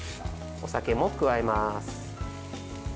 お酒も加えます。